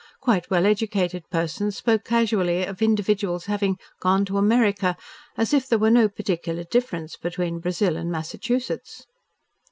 Quite well educated persons spoke casually of individuals having "gone to America," as if there were no particular difference between Brazil and Massachusetts.